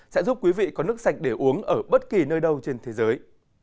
sẽ giúp quý vị có nước sạch để uống ở bất kỳ nơi đâu trên thế giới